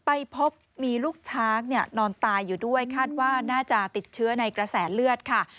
ไปพบมีลูกช้างนอนตายอยู่ด้วยคาดว่าน่าจะติดเชื้อในกระแสเลือดค่ะ